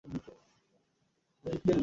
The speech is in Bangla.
তুমি পিটার প্যান পড়েছ?